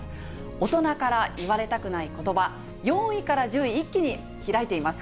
大人から言われたくないことば、４位から１０位、一気に開いています。